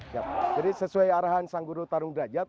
jadi sesuai arahan sang guru tarung derajat